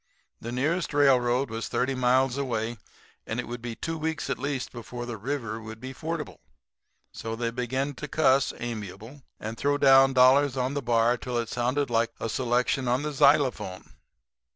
The nearest railroad was thirty miles away; and it would be two weeks at least before the river would be fordable. So they began to cuss, amiable, and throw down dollars on the bar till it sounded like a selection on the xylophone.